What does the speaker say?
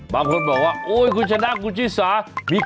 บางคนบอกว่าโอ๊ยคุณชนะคุณชิสามีข่าวของเรา